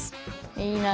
いいな。